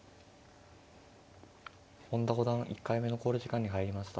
本田五段１回目の考慮時間に入りました。